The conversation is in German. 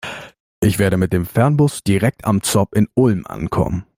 Ich werde mit dem Fernbus direkt am ZOB in Ulm ankommen.